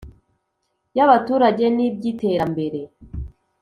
y abaturage n iby iterambere